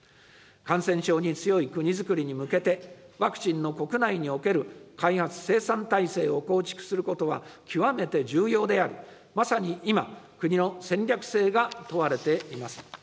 感染症に強い国づくりに向けて、ワクチンの国内における開発・生産体制を構築することは極めて重要であり、まさに今、国の戦略性が問われています。